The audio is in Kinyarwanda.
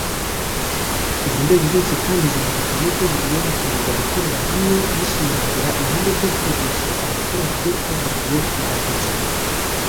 Izi nzego zose kandi zumvikanye ko zigiye gukomeza gukorera hamwe zishimangira ihame ryo kwigisha abaturage hagendewe ku ndangagaciro